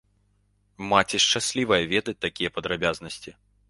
Маці шчаслівая ведаць такія падрабязнасці.